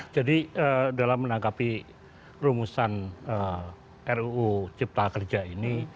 jadi dalam menangkapi rumusan ruu cipta kerja ini